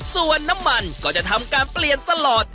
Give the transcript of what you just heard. ส่วนน้ำมันก็จะทำการเปลี่ยนตลอด